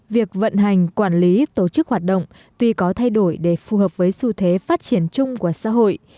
việc vận hành quản lý tổ chức hoạt động tuy có thay đổi để phù hợp với xu thế phát triển chung của xã hội